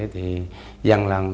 thì dân làng